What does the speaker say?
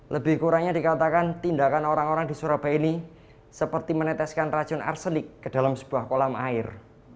lebih kurangnya dikatakan tindakan orang orang di surabaya ini seperti meneteskan racun arsenik ke dalam sebuah kolam air